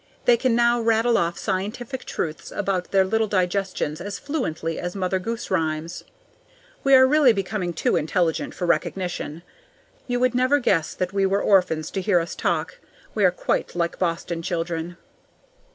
They can now rattle off scientific truths about their little digestions as fluently as Mother Goose rhymes. We are really becoming too intelligent for recognition. You would never guess that we were orphans to hear us talk; we are quite like Boston children.